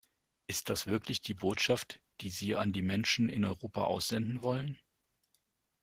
Ist das wirklich die Botschaft, die Sie an die Menschen in Europa aussenden wollen?